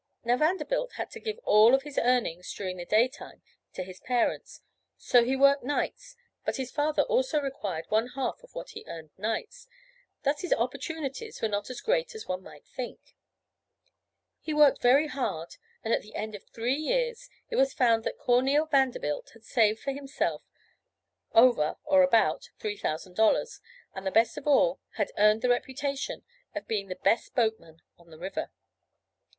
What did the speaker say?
Now Vanderbilt had to give all of his earnings during the day time to his parents, so he worked nights, but his father also required one half of what he earned nights, thus his opportunities were not as great as one might think. He worked very hard and at the end of three years, it was found that Corneel. Vanderbilt had saved for himself over, or about $3,000 and the best of all, had earned the reputation of being the best boatman on the river.